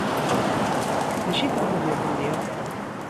D acu i telmd iḍelli?